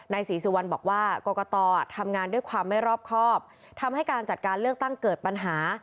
ศรีสุวรรณบอกว่ากรกตทำงานด้วยความไม่รอบครอบทำให้การจัดการเลือกตั้งเกิดปัญหา